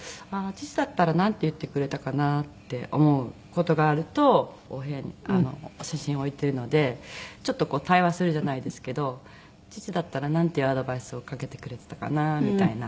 父だったらなんて言ってくれたかなって思う事があるとお部屋に写真を置いてるのでちょっと対話するじゃないですけど父だったらなんてアドバイスをかけてくれてたかなみたいな。